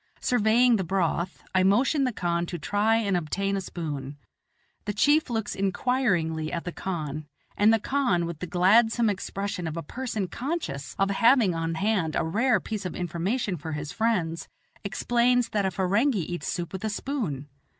Surveying the broth, I motion the khan to try and obtain a spoon. The chief looks inquiringly at the khan, and the khan with the gladsome expression of a person conscious of having on hand a rare piece of information for his friends, explains that a Ferenghi eats soup with a spoon.